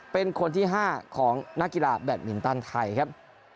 เป็นคนที่๕ของนักกีฬาแบตมินตันไทยครับ